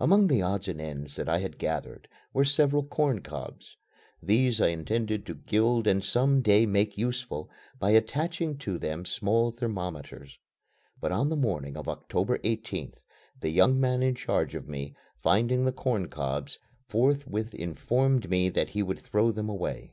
Among the odds and ends that I had gathered were several corn cobs. These I intended to gild and some day make useful by attaching to them small thermometers. But on the morning of October 18th, the young man in charge of me, finding the corn cobs, forthwith informed me that he would throw them away.